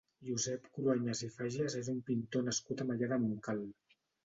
Josep Cruañas i Fages és un pintor nascut a Maià de Montcal.